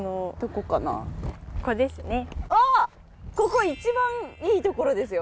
ここ一番いいところですよ！